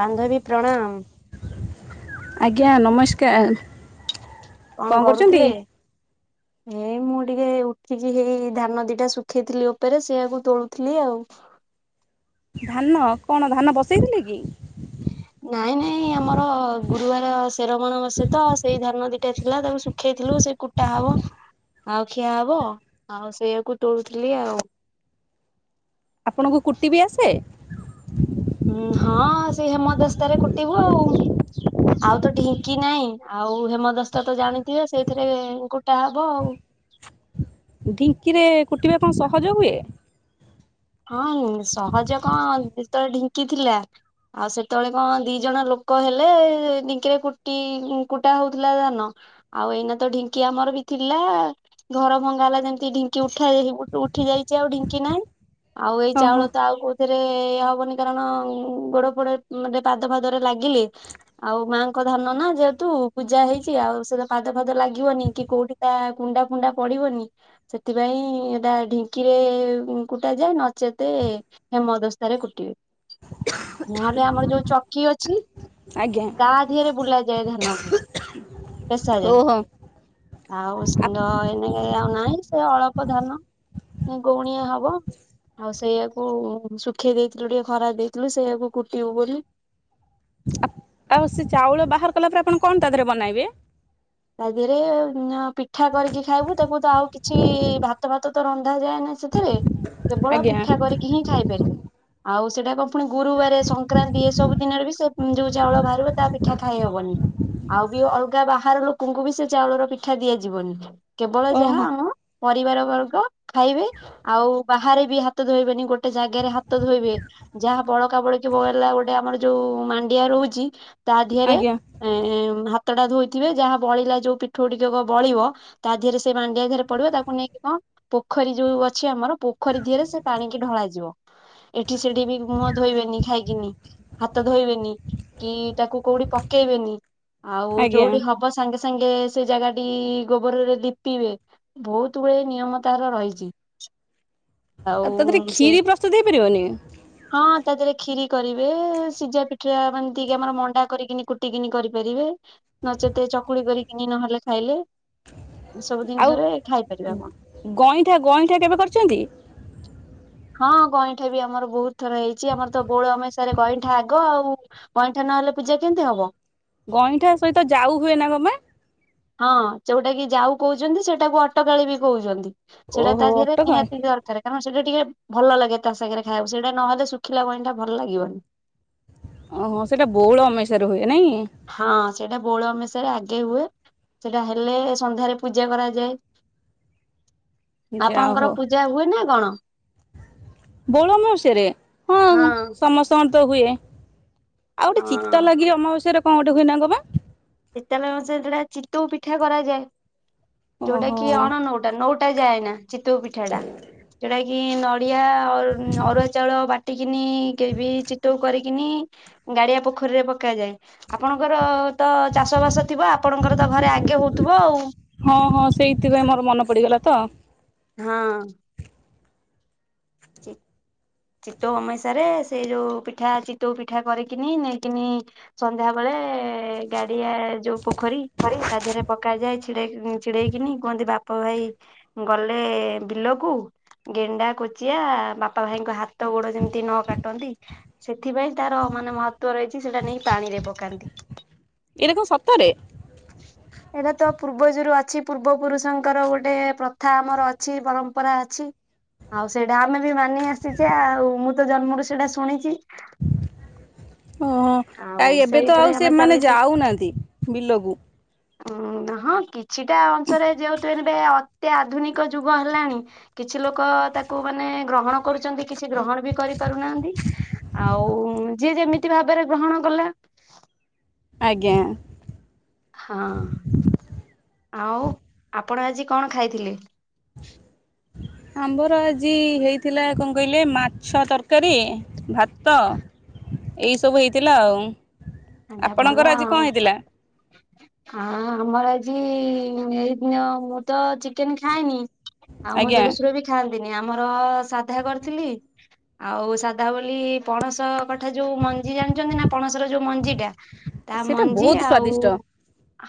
ବାନ୍ଧବୀ ପ୍ରଣାମ। ଆଜ୍ଞା ନମସ୍କାର। କଣ କରୁଥିଲେ? ଏଇ ମୁଁ ଟିକେ ଉଠିକି ହେଇ ଧାନ ଦିଟା ଶୁଖେଇଥିଲି ଉପରେ ସେଇଆକୁ ତୋଳୁଥିଲି ଆଉ। ଧାନ କଣ ଧାନ ବସେଇଥିଲେ କି? [inaudible] ନାଇଁ ନାଇଁ ଆମର ଗୁରୁବାର ସେରବଣ ବସେତ ସେଇ ଧାନ ଦିଟା ଥିଲା ତାକୁ ଶୁଖେଇଥିଲୁ ସେ କୁଟା ହବ ଆଉ ଖିଆ ହବ ଆଉ ସେଇଆକୁ ତୋଳୁଥିଲି ଆଉ। ଆପଣଙ୍କୁ କୁଟି ବି ଆସେ? ଉଁ ହଁ ସେ ହେମଦସ୍ତାରେ କୁଟିବୁ ଆଉ। ଆଉ ତ ଢିଙ୍କି ନାହିଁ ଆଉ ହେମଦସ୍ତା ତ ଜାଣିଥିବେ ସେଇଥିରେ କୁଟା ହବ ଆଉ। ଢିଙ୍କି ରେ କୁଟିବା କଣ ସହଜ ହୁଏ? ହଁ ସହଜ କଣ ଯେତେଳେ ଢିଙ୍କି ଥିଲା। ଆଉ ସେତେବେଳେ କଣ ଦି ଜଣ ଲୋକ ହେଲେ ଢିଙ୍କିରେ କୁଟି କୁଟା ହଉଥିଲା ଧାନ। ଆଉ ଏଇନା ତ ଢିଙ୍କି ଆମର ବି ଥିଲା। ଘର ଭଙ୍ଗା ହେଲା ଯେମିତି ଢିଙ୍କି ଉଠା ହେଇ ଉଠି ଯାଇଛି ଆଉ ଢିଙ୍କି ନାହିଁ। ଆଉ ଏଇ ଓହୋ ଚାଉଳ ତ ଆଉ କୋଉ ଥିରେ ହବନି କାରଣ ଗୋଡ ଫୋଡରେ ପାଦ ଫାଦରେ ଲାଗିଲେ ଆଉ ମାଆଙ୍କ ଧାନ ନା ଯେହେତୁ ପୂଜା ହେଇଛି ଆଉ ସେ ପାଦ ଫାଦ ଲାଗିବନି କି କୋଉଠି ତା କୁଣ୍ଡା ଫୁଣ୍ଡା ପଡିବନି ସେଥିପାଇଁ ତା ଢିଙ୍କିରେ କୁଟା ଯାଏ ନଚେତ ହେମଦସ୍ତାରେ କୁଟିବେ। ନହେଲେ ଆମର ଯୋଉ ଚକି ଅଛି। ଆଜ୍ଞା। ତା ଦିହରେ ବୁଲା ଯାଏ ଧାନକୁ। ପେଷା ଯାଏ ଓହୋ ଆଉ ନ ହେନେ ଏ ଆଉ ନାଇଁ ସେ ଅଳପ ଧନ ଗଉଣିଏ ହବ। ଆଉ ସେଇଆାକୁ ଶୁଖେଇ ଦେଇଥିଲୁ ଟିକେ ଖରା ଦେଇଥିଲୁ ସେଇୟାକୁ କୁଟିବୁ ବୋଲି। ଆଉ ସେ ଚାଉଳ ବାହାର କଲା ପରେ ଆପଣ କଣ ତା ଦେହରେ ବନାଇବେ? ତା ଦିହରେ ପିଠା କରିକି ଖାଇବୁ ତାକୁ ତ ଆଉ କିଛି ଭାତ ଫାତ ତ ରନ୍ଧା ଯାଏନା। ସେଥିରେ କେବଳ ଆଜ୍ଞା ପିଠା କରିକି ହିଁ ଖାଇପାରିବେ ଆଉ ସେଟାକ ପୁଣି ଗୁରୁବାରେ ସଂକ୍ରାନ୍ତି ଏ ସବୁ ଦିନରେ ବି ସେ ଯୋଉ ଚାଉଳ ବାହାରିବ ତା ପି ପିଠା ଖାଇହବନି ଆଉ ବି ଅଲଗା ବାହାର ଲୋକଙ୍କୁ ବି ସେ ଚାଉଳର ପିଠା ଦିଆଯିବନି। କେବଳ ଯାହା ଓହୋ ଆମ ପରିବାର ବର୍ଗ ଖାଇବେ। ଆଉ ବାହାରେ ବି ହାତ ଧୋଇବେନି ଗୋଟେ ଜାଗାରେ ହାତ ଧୋଇବେ। ଯାହା ବଳକା ବଳକି ବଳିଲା ଗୋଟେ ଆମର ଯୋଉ ମାଣ୍ଡିଆ ରହୁଛି। ତା ଦିହରେ ଆଜ୍ଞା ଏଁ ହାତଟା ଧୋଇଥିବେ ଯାହା ବଳିଲା ଯୋଉ ପିଠଉ ଟିକକ ବଳିବ ତା ଦିହରେ ସେଇ ମାଣ୍ଡିଆ ଦିହରେ ପଡିବ ତାକୁ ନେଇକି କଣ ପୋଖରୀ ଯୋଉ ଅଛି ଆମର ପୋଖରୀ ଦିହରେ ସେ ପାଣିକି ଢଳାଯିବ। ଏଠି ସେଠି ବି ମୁହଁ ଧୋଇବେନି ଖାଇକିନି। ହାତ ଧୋଇବେନି କି ତାକୁ କୋଉଠି ପକେଇବେନି ଆଉ ଆଜ୍ଞା ଯୋଉଠି ହବ ସାଙ୍ଗେ ସାଙ୍ଗେ ସେ ଜାଗା ଟି ଗୋବରରେ ଲିପିବେ ବହୁତ ଗୁଡେ ନିୟମ ତାର ରହିଛି। [inaudible] ଆଉ ତା ଦେରେ ସେ କ୍ଷୀରି ପ୍ରସ୍ତୁତ ହେଇପାରିବନି? ହଁ ତା ଦେହରେ କ୍ଷୀରି କରିବେ ସିଝା ପିଠା ମାନେ ଏମତିକି ଆମର ମଣ୍ଡା କରିକିନି କୁଟିକିନି କରିପାରିବେ। ନଚେତ ଚକୁଳି କରିକିନି ନହେଲେ ଖାଇଲେ ଏ ସବୁ ଆଉ ଜିନିଷରେ ଖାଇପାରିବେ ଆପଣ। ଗଇଁଠା ଗଇଁଠା କେବେ କରିଛନ୍ତି? ହଁ ଗଇଁଠା ବି ଆମର ବହୁତ ଥର ହେଇଛି ଆମର ତ ବୋଉଳ ଅମେଇଶାରେ ଗଇଁଠା ଆଗ ଆଉ। ଗଇଁଠା ନହେଲେ ପୂଜା କେମିତି ହବ? ଗଇଁଠା ସହିତ ଯାଉ ହୁଏ ନା କଣ ପା? ହଁ ଯୋଉଟା କି ଯାଉ କହୁଛନ୍ତି ସେଟାକୁ ଅଟଗାଳି ବି କହୁଛନ୍ତି। ସେଟା ତା ଓହୋ ଦିହରେ ଅଟକ ନିହାତି ଦରକାରେ। କାରଣ ସେଟା ଟିକେ ଭଲ ଲାଗେ ତା ସାଙ୍ଗରେ ଖାଇବାକୁ ସେଇଟା ନହେଲେ ଶୁଖିଲା ଗଇଁଠା ଭଲ ଲାଗିବନି। ଓହୋ ସେଇଟା ବଉଳ ଅମେଇସା ରେ ହୁଏ ନାଇଁ? ହଁ ସେଇଟା ବୋଉଳ ଆମେଇସାରେ ଆଗେ ହୁଏ। ସେଟା ହେଲେ ସନ୍ଧ୍ୟାରେ ପୂଜା କରାଯାଏ। ଯା ଆପଣଙ୍କର ହଉ ପୂଜା ହୁଏ ନା କଣ? ବଉଳ ଅମାବାସ୍ୟାରେ? ହଁ ସମସ୍ତଙ୍କର ତ ହୁଏ ଆଉ ଗୋଟେ ଚିତା ହଁ ଲାଗି ଅମାବାସ୍ୟାରେ କଣ ଗୋଟେ ହୁଏ ନା କଣ ପା? ଚିତାଲା ଅମାବାସ୍ୟା ରେ ଯୋଉଟା ଚିତଉ ପିଠା କରାଯାଏ ଯୋଉଟା ଓହୋ କି ଅଣ ନଉଟା ନଉ ଟା ଯାଏ ନା ଚିତଉ ପିଠା ଟା ଯୋଉଟା କି ନଡିଆ ଅ-ଅରୁଆ ଚାଉଳ ବା ଟିକିନି କେହି ବି ଚିତଉ କରି କିିନି ଗାଡିଆ ପୋଖରୀରେ ପକାଯାଏ ଆପଣଙ୍କର ତ ଚାଷ ବାସ ଥିବ ଆପଣଙ୍କର ତ ଘରେ ଆଗେ ହଉଥିବ ଆଉ। ହଁ ହଁ ସେଇଥିପାଇଁ ମୋର ମନେ ପଡିଗଲା ତ। ହଁ। ଚି ଚିତ୍ତଉ ଅମେଇଷାରେ ସେଇ ଯୋଉ ପିଠା ଚିତ୍ତଉ ପିଠା କରିକିନି ନେଇକିନି ସନ୍ଧ୍ୟାବେଳେ ଏ ଗାଡିଆ ଏ ଯୋଉ ପୋଖରୀ ତା ଦେହରେ ପକାଯାଏ ଛିଡେଇଁ ଛିଡେଇକିନି କୁହନ୍ତି ବାପ ଭାଇ ଗଲେ ବିଲକୁ ଗେଣ୍ଡା କୋଚି ଚିଆ ବାପା ଭାଇଙ୍କ ହାତ ଗୋଡ ଯେମତି ନ କାଟନ୍ତି। ସେଥିପାଇଁ ତାର ମାନେ ମହତ୍ୱ ରହିଚି ସେଟା ନେଇକି ପାଣିରେ ପକାନ୍ତି। ଏଇଟା କଣ ସତରେ? ଏଇରା ତ ପୂର୍ବଯରୁ ଅଛି ପୂର୍ବ ପୁରୁଷଙ୍କର ଗୋଟେ ପ୍ରଥା ଆମର ଅଛି ପରମ୍ପରା ଅଛି। ଆଉ ସେଇଟା ଆମେ ବି ମାନି ଆସିଚେ ଆଉ ମୁଁ ତ ଜନ୍ମରୁ ସେଇଟା ଶୁଣିଚି। ଓହୋ ଆଉ ଏବେ ତ ସେଇଥିରେ ଆଉ ସିଏ ଆମେ ମାନେ ଚାଲିଚେ ଯାଉନାହାନ୍ତି ବିଲକୁ ଅଁ ହଁ କିଛିଟା ଅଂଶରେ ଯେହେତୁ ଏବେ ଅତି ଆଧୁନିକ ଯୁଗ ହେଲାଣି କିଛି ଲୋକ ତାକୁ ମାନେ ଗ୍ରହଣ କରୁଚନ୍ତି କିଛି ଗ୍ରହଣ ବି କରିପାରୁନାହାନ୍ତି। ଆଉ ଯିଏ ଯେମିତି ଭାବରେ ଗ୍ରହଣ କଲା। ଆଜ୍ଞା। ହଁ। ଆଉ ଆପଣ ଆଜି କଣ ଖାଇଥିଲେ? ଆମର ଆଜି ହେଇଥିଲା କଣ କହିଲେ ମାଛ ତରକାରୀ ଭାତ ଏଇସବୁ ହେଇଥିଲା ଆଉ ଆପଣଙ୍କର ଆଜି କଣ ହେଇଥିଲା? ହ ହଁ ଆମର ଆଜି ଉଁ ଏଇ ନ ମୁଁ ତ ଚିକେନ ଖାଏନି ଆଉ ମୋ ଆଜ୍ଞା। ଦେଢଶୁର ବି ଖାଆନ୍ତିନି ଆମର ସାଧା କରିଥିଲି। ଆଉ ସାଧା ବୋଲି ପଣସ କଠା ଯୋଉ ମଞ୍ଜି ଜାଣିଚନ୍ତି ନା ପଣସର ଯୋଉ ମଞ୍ଜି ଟା ତା ସେଇଟା ମଞ୍ଜି ବହୁତ ଆଉ ସ୍ଵାଦିଷ୍ଟ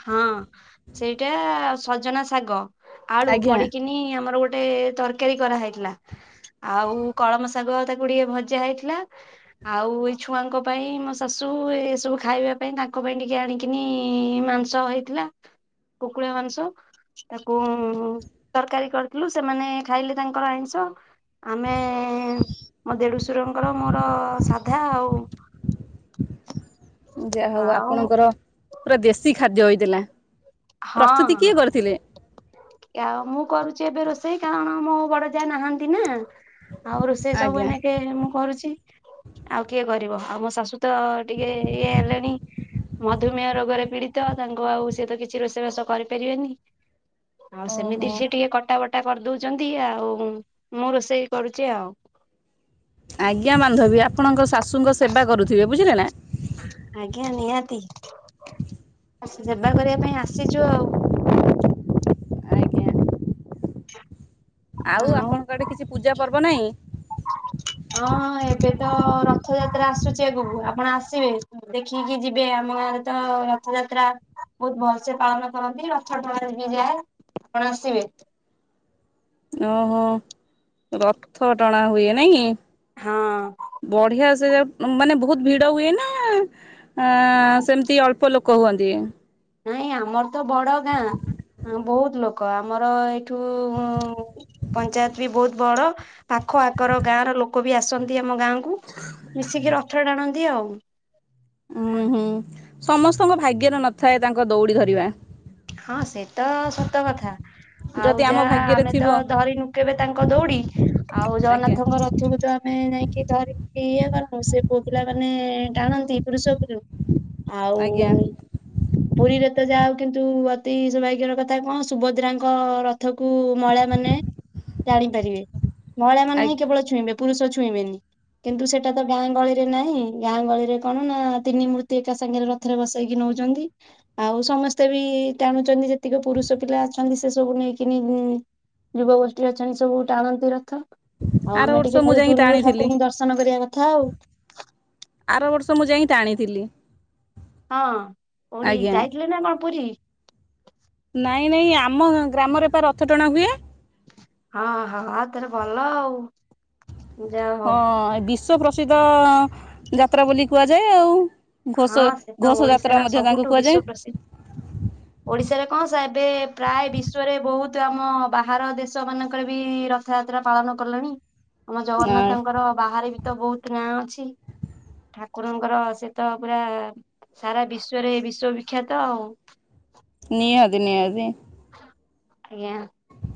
ହଁ ସେଇଟା ସଜନା ଶାଗ, ଆଳୁ ଆଜ୍ଞା। ପଡିକିନି ଆମର ଗୋଟେ ତରକାରୀ କରା ହେଇଥିଲା। ଆଉ କଳମ ଶାଗ ତାକୁ ଟିକେ ଭଜା ହେଇଥିଲା। ଆଉ ଏଇ ଛୁଆଙ୍କ ପାଇଁ ମୋ ଶାଶୁ ଏ ସବୁ ଖ୍ ଖାଇବା ପାଇଁ ତାଙ୍କ ପାଇଁ ଟିକେ ଆଣିକିନି ମାଂସ ହେଇଥିଲା କୁକୁଡା ମାଂସ। ତାକୁ ତରକାରୀ କରିଥିଲୁ ସେମାନେ ଖାଇଲେ ତାଙ୍କର ଆଇଁଷ। ଆମେ ମୋ ଦେଢଶୁରଙ୍କର ମୋର ସାଧା ଆଉ ଯାହୋଉ ଆଉ ଆପଣଙ୍କର ପୁରା ଦେଶୀ ଖାଦ୍ୟ ହେଇଥିଲା ପ୍ରସ୍ତୁତି କିଏ କରିଥିଲେ? ଏ ଆଉ ମୁଁ କରୁଚି ଏବେ ରୋଷେଇ କାରଣ ମୋ ବଡ ଯାଆ ନାହାନ୍ତି ନା। ଆଉ ରୋଷେଇ ସବୁ ଆଜ୍ଞା ଏନାକେ ମୁଁ କରୁଚି। ଆଉ କିଏ କରିବ ଆଉ ମୋ ଶାଶୁ ତ ଟିକେ ଇଏ ହେଲେଣି। ମଧୁମେୟ ରୋଗରେ ପୀଡିତ ତାଙ୍କୁ ଆଉ ସିଏ ତ କିଛି ରୋଷେଇବାସ କରିପାରିବେନି। ଆଉ ସେମିତି ଓହୋ। ସିଏ ଟିକେ କଟାବଟା କରି ଦୋଉଚନ୍ତି ଆଉ ମୁଁ ରୋଷେଇ କରୁଚି ଆଉ। ଆଜ୍ଞା ବାନ୍ଧବୀ ଆପଣଙ୍କ ଶାଶୁଙ୍କ ସେବା କରୁଥିବେ ବୁଝିଲେ ନା। ଆଜ୍ଞା ନିହାତି ସେବା କରିବା ପାଇଁ ଆସିଚୁ ଆଉ। ଆଜ୍ଞା। ଆଉ ଆପଣଙ୍କ ଆଡେ କିଛି ପୂଜାପର୍ବ ନାହିଁ? ହଁ ଏବେ ତ ରଥଯାତ୍ରା ଆସୁଚି ଆଗକୁ ଆପଣ ଆସିବେ। ଦେଖିକି ଯିବେ ଆମ ଗାଁରେ ତ ରଥଯାତ୍ରା ବୋହୁତ ଭଲସେ ପାଳନ କରନ୍ତି ରଥ ଟଣା ବି ଯାଏ ଆପଣ ଆସିବେ। ଓହୋ ରଥ ଟଣାହୁଏ ନାଇଁ? ହଁ ବଢିଆ ସେ ଯାଗା ମାନେ ବୋହୁତ ଭିଡ ହୁଏ ନା ଆ ସେମତି ଅଳ୍ପ ଲୋକ ହୁଅନ୍ତି? ନାଇଁ ଆମର ତ ବଡ ଗାଁ ଆଉଁ ବୋହୁତ ଲୋକ ଆମର ଏଠୁ ଉଁ ପଞ୍ଚାୟତ ବି ବୋହୁତ ବଡ ପାଖ ଆଖର ଗାଁର ଲୋକ ବି ଆସନ୍ତି ଆମ ଗାଁକୁ। ମିଶିକି ରଥ ଟାଣନ୍ତି ଆଉ। ଉୁଁ ହୁଁ ସମସ୍ତଙ୍କ ଭାଗ୍ୟରେ ନଥାଏ ତାଙ୍କ ଦୌଡି ଧରିବା। ହଁ ସେଟା ସତ କଥା ଆଉ ଯଦି ଆମ ଯାହା ଭାଗ୍ୟରେ ଆମେ ତ ଥିବ ଧରିନୁ। କେବେ ତାଙ୍କ ଦୌଡ଼ି ଆଉ ଆଜ୍ଞା ଜଗନ୍ନାଥଙ୍କ ରଥକୁ ତ ଆମେ ଯାଇକି ଧରିକି ଇଏ କରନୁ ସେ ପୁଅ ପିଲାମାନେ ଟାଣନ୍ତି। ପୁରୁଷ ପିଲା ଆଉ ଆଜ୍ଞା ପୁରୀରେ ତ ଯାହାହେଉ କିନ୍ତୁ? ପ୍ରତି ସୌଭାଗ୍ୟର କଥା କଣ ସୁଭଦ୍ରାଙ୍କ ରଥ କୁ ମହିଳା ମାନେ ଟାଣିପାରିବେ। ମହିଳା ଆ ମାନେ ହିଁ କେବଳ ଛୁଇଁବେ ପୁରୁଷ ଛୁଇଁବେନି। କିନ୍ତୁ ସେଟା ତ ଗାଁ ଗଳିରେ ନାହିଁ ଗାଁ ଗଳିରେ କଣ ନା ତିନି ମୂର୍ତ୍ତି ଏକା ସାଙ୍ଗରେ ର ଥରେ ବସେଇକି ନଉଛନ୍ତି ଆଉ ସମସ୍ତେ ବି ଟାଣୁଛନ୍ତି ଯେତିକି ପୁରୁଷ ପିଲା ଅଛନ୍ତି ସେ ସବୁ ନେଇକିନି ଯୁବଗୋଷ୍ଠୀ ଅଛନ୍ତି ସବୁ ଟାଣନ୍ତି ରଥ। ଆଉ ଆର ଆମେ ବର୍ଷ ଟିକେ ମୁଁ ଖାଲି ଯାଇକି ଦୂରରୁ ଟାଣିଥିଲି ଠାକୁରଙ୍କୁ ଦର୍ଶନ କରିବା କଥା ଆଉ। ଆର ବର୍ଷ ମୁଁ ଯାଇକି ଟାଣିଥିଲି। ହଁ କଉଠି ଆଜ୍ଞା। ଯାଇଥିଲେ ନା କଣ ପୁରୀ? ନାଇଁ ନାଇଁ ଆମ ଗ୍ରାମରେ ପା ରଥ ଟଣା ହୁଏ। ହଁ ହଁ ତାରେ ଭଲ ଆଉ। ଯାହା ହଁ ହଉ ବିଶ୍ଵ ପ୍ରସିଦ୍ଧ ଯାତ୍ରା ବୋଲି କୁହାଯାଏ ଆଉ। ହଁ ଘୋଷ ସେ ତ ଘୋଷ ଯାତ୍ରା ଓଡିଶାର ମଧ୍ୟ ତାଙ୍କୁ ସବୁଠୁ ବିଶ୍ଵ କୁହାଯାଏ। ପ୍ରସିଦ୍ଧ। ଓଡିଶାରେ କଣ ସା ଏବେ ପ୍ରାୟ ବିଶ୍ଵରେ ବହୁତ ଆମ ବାହାର ଦେଶ ମାନଙ୍କରେ ବି ରଥ ରଥଯାତ୍ରା ପାଳନ କଲେଣି। ଆମ ଆ ଜଗନ୍ନାଥଙ୍କର ବାହାରେ ବି ତ ବହୁତ ନାଁ ଅଛି। ଠାକୁରଙ୍କର ସେ ତ ପୁରା ସାରା ବିଶ୍ଵରେ ଏଇ ବିଶ୍ଵବିଖ୍ୟାତ ଆଉ। ନିହାଦି ନିହାଦି। ଆଜ୍ଞା।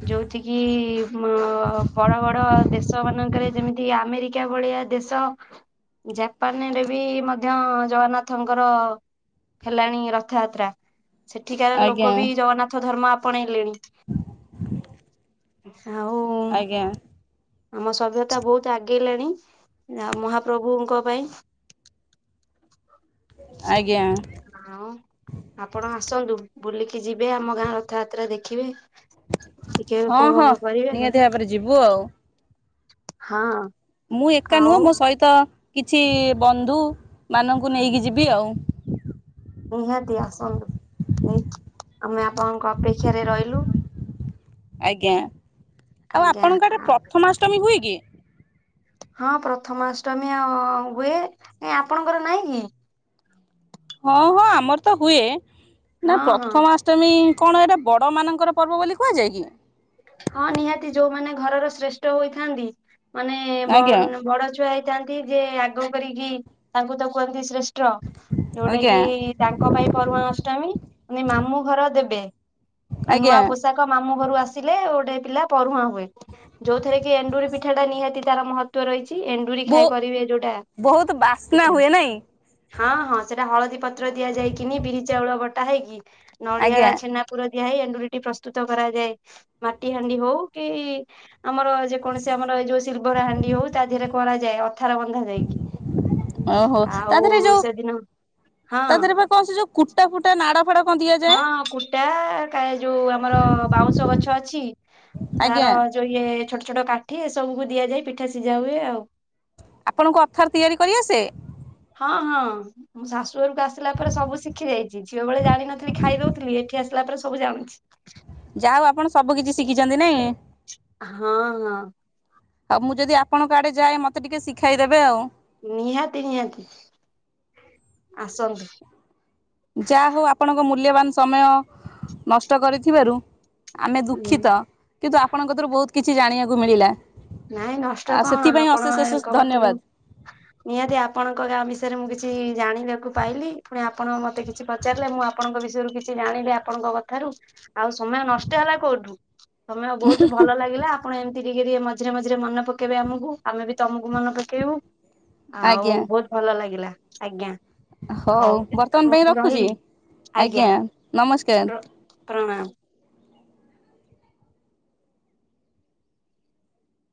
ଯୋଉଠି କି ବଡ ବଡ ଦେଶ ମାନଙ୍କରେ ଯେମିତି ଆମେରିକା ଭଳିଆ ଦେଶ ଜାପାନରେ ବି ମଧ୍ୟ ଜଗନ୍ନାଥଙ୍କର ହେଲାଣି ରଥଯାତ୍ରା ସେଠିକାର ଆଜ୍ଞା ଲୋକ ବି ଜଗନ୍ନାଥ ଧର୍ମ ଆପଣେଇଲେଣି। [unintelligible] ଆଉ ଆଜ୍ଞା ଆମ ସଭ୍ୟତା ବହୁତ ଆଗେଇଲେଣି ମହାପ୍ରଭୁଙ୍କ ପାଇଁ। [inaudible] ଆଜ୍ଞା। ହଉ ଆପଣ ଆସନ୍ତୁ ବୁଲିକି ଯିବେ ଆମ ଗାଁ ରଥଯାତ୍ରା ଦେଖିବେ। ଟିକେ ହଁ ହଁ ଉପଭୋଗ କରିବେ ନିହାତି ଭାବରେ ଯିବୁ ଆଉ। ହଁ। ମୁଁ ଏକା ନୁହଁ ଆଉ ମୋ ସହିତ କିଛି ବନ୍ଧୁ ମାନଙ୍କୁ ନେଇକି ଯିବି ଆଉ। ନିହାତି ଆସନ୍ତୁ ଆମେ ଆପଣଙ୍କ ଅପେକ୍ଷାରେ ରହିଲୁ। ଆଜ୍ଞା ଆଉ ଆପଣଙ୍କ ଆଡେ ଆଜ୍ଞା ପ୍ରଥମାଷ୍ଟମୀ ହୁଏ କି? ହଁ ପ୍ରଥମାଷ୍ଟମୀ ହୁଏ ଆପଣଙ୍କର ନାଇଁ କି? ହଁ ହଁ ଆମର ତ ହୁଏ। ହଁ ନା ହଁ ପ୍ରଥମା ଷ୍ଟମି କଣ ଏଇଟା ବଡ଼ମାନଙ୍କର ପର୍ବ ବୋଲି କୁହାଯାଏ କି? ହଁ ନିହାତି ଯୋଉମାନେ ଘରର ଶ୍ରେଷ୍ଠ ହୋଇଥାନ୍ତି ମାନେ ବ ଆଜ୍ଞା ବଡ ଛୁଆ ହେ ଥାନ୍ତି ଯେ ଆଗ କରିକି ତାଙ୍କୁ ତ କୁହନ୍ତି ଶ୍ରେଷ୍ଠ ଯୋଉଟା ଆଜ୍ଞା କି ତାଙ୍କ ପାଇଁ ପରୁଆଁ ଅଷ୍ଟମୀ ମାମୁଁ ଘର ଦେବେ ଆଜ୍ଞା ନୂଆ ପୋଷାକ ତ ମାମଁ ଘରୁ ଆସି ଲେ ଗୋଟାଏ ପିଲା ପରୁଂହା ହୁଏ ଯୋଉଥେରେ କି ଏଣ୍ଡୁରି ପିଠା ଟା ନିହାତି ତାର ମହତ୍ତ୍ଵ ରହିଛି ଏନ ଡୁରି ବୋ ଖାଏ କରିବେ ଯୋଉଟା ବହୁତ ବାସ୍ନା ପିଠା ହୁଏ ନାଇଁ ହଁ ହଁ ସେଟା ହଳଦୀ ପତ୍ର ଦିଆଯାଇକିନି ବିରି ଚାଉଳ ବଟା ହେଇକି ନଡିଆ ଆଜ୍ଞା ଛେନା ପୁର ଦିଆ ହୋଇ ଏଣ୍ଡୁରିଟି ପ୍ରସ୍ତୁତ କରାଯାଏ। ମାଟି ହାଣ୍ଡି ହଉ କି ଆମର ଯେକୌଣସି ଆମର ଏଇ ଯୋଉ ସିଲ୍ଭର ହାଣ୍ଡି ହଉ ତା ଦେହରେ କରାଯାଏ ଅଥାର ବନ୍ଧା ଯାଇକି। ଓହୋ ତା ଆଉ ଦେହରେ ସେଦିନ ହଁ। ହଁ ସେ ଯୋଉ କୁଟା ଫୁଟା ନାଡ଼ ଫାଡ଼ ହଁ କୁଟା କା ଯୋଉ ଆମର ବାଉଁଶ ଗଛ ଅଛି ଆଜ୍ଞା ତାର ଯୋଉ ଇଏ ଛୋଟ ଛୋଟ କାଠି ଏ ସବୁକୁ ଦିଆଯାଇ ପିଠା ସିଝା ହୁଏ ଆଉ। ଆପଣଙ୍କୁ ଅଥର ତିଆରି କରି ଆସେ? ହଁ ହଁ। ମୁଁ ଶାଶୁ ଘରକୁ ଆସିଲା ପରେ ସବୁ ଶିଖି ଯାଇଛି ଝିଅ ବେଳେ ଜାଣିିନଥିଲି ଖାଇ ଦଉଥିଲି ଏଠି ଆସିଲା ପରେ ସବୁ ଜାଣୁ ଯାହା ହୋଉ ଆପଣ ସବୁ କିଛି ଶିଖିଛନ୍ତି ନାଇଁ? ହଁ ହଁ। ହ ମୁଁ ଯଦି ଆପଣଙ୍କ ଆଡ଼େ ଯାଏ ମତେ ଟିକେ ଶିଖାଇଦେବେ ଆଉ। ନିହାତି ନିହାତି ଆସନ୍ତୁ। ଯାହା ହଉ ଆପଣଙ୍କ ମୂଲ୍ୟବାନ ସମୟ ନଷ୍ଟ କରିଥିବାରୁ ଆମେ ଉଁ ଦୁଃଖିତ କିନ୍ତୁ ଆପଣଙ୍କ କତିରୁ ବୋହୁତ କିଛି ଜାଣିବାକୁ ମିଳିଲା। ନାଇଁ ନଷ୍ଟ ଆଉ କଣ ସେଥିପାଇଁ ଅଶେଷ ଅଶେଷ ଆପଣଙ୍କ କତିରୁ ଧନ୍ୟବାଦ ନିହାତି ଆପଣଙ୍କ ଗାଁ ବିଷୟରେ ମୁଁ କିଛି ଜାଣିବାକୁ ପାଇଲି ପୁଣି ଆପଣ ମତେ କିଛି ପ ଚାରିଲେ ମୁଁ ଆପଣଙ୍କ ବିଷୟରୁ କିଛି ଜାଣିଲି ଆପଣଙ୍କ କଥାରୁ। ଆଉ ସମୟ ନଷ୍ଟ ହେଲା କୋଉଠୁ ସମୟ ବୋହୁତ ଭଲ ଲାଗିଲା ଆପଣ ଏମିତି ଟିକେ ଟିକେ ମ ମଝିରେ ମଝିରେ ମନ ପକେଇବେ ଆମକୁ ଆମେ ବି ତମକୁ ମନେ ପକେଇବୁ ଆଉ ଆଜ୍ଞା ବୋହୁତ୍ ଭଲ ଲାଗିଲା ଆଜ୍ଞା। ହଉ ବର୍ତ୍ତମାନ ଏଥରକ ପାଇଁ ମୁଁ ରଖୁଛି। ରହିଲି। ଆଜ୍ଞା ନମସ୍କାର। ର ପ୍ରଣାମ।